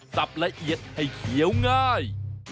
ละเอียดให้เขียวง่าย